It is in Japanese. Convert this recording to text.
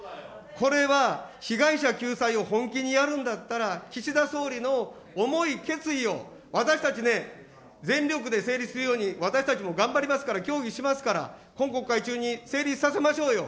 これは被害者救済を本気にやるんだったら、岸田総理の思い、決意を私たちね、全力で成立するように、私たちも頑張りますから、協議しますから、今国会中に成立させましょうよ。